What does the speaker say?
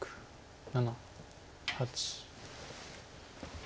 ７８。